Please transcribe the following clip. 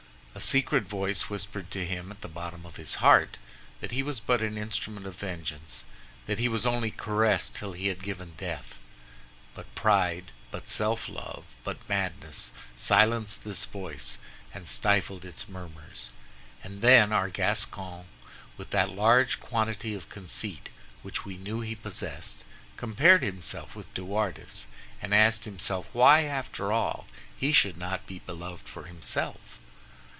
A secret voice whispered to him, at the bottom of his heart, that he was but an instrument of vengeance, that he was only caressed till he had given death; but pride, but self love, but madness silenced this voice and stifled its murmurs. And then our Gascon, with that large quantity of conceit which we know he possessed, compared himself with De Wardes, and asked himself why, after all, he should not be beloved for himself?